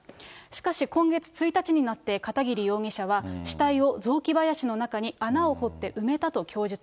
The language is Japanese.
しかし今月１日になって、片桐容疑者は、死体を雑木林の中に穴を掘って埋めたと供述。